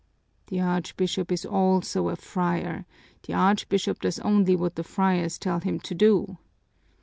"The Archbishop is also a friar, the Archbishop does only what the friars tell him to do.